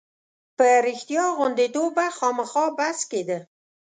په رښتیا غوندېتوب به خامخا بحث کېده.